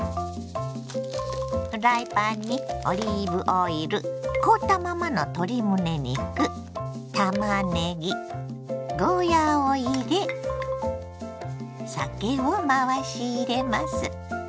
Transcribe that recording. フライパンにオリーブオイル凍ったままの鶏むね肉たまねぎゴーヤーを入れ酒を回し入れます。